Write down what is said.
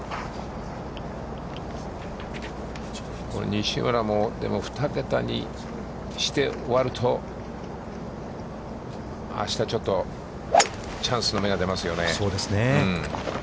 西村も、２桁にして終わると、あしたちょっとチャンスの芽が出ますよね。